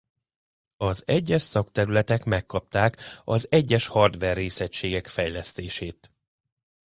Az egyes szakterületek megkapták az egyes hardver részegységek fejlesztését.